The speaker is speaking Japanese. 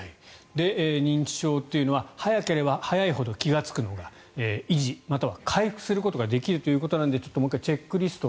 認知症というのは早ければ早いほど気がつくのが維持または回復することができるということなのでもう一回チェックリスト。